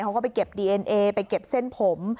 เขาก็ไปเก็บดีเอ็นเอไปเก็บเส้นผม